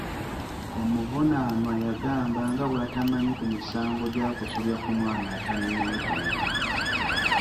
Omuvunaanwa yagamba nga bw'atamanyi ku misango gya kusobya ku mwana atanneetuuka.